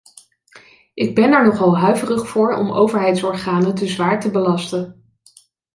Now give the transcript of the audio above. Ik ben er nogal huiverig voor om overheidsorganen te zwaar te belasten.